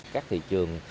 các thị trường